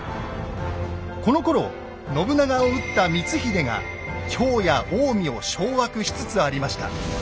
このころ信長を討った光秀が京や近江を掌握しつつありました。